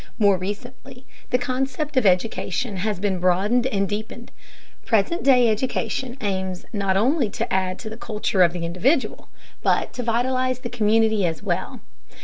More recently the concept of education has been broadened and deepened. Present day education aims not only to add to the culture of the individual, but to vitalize the community as well.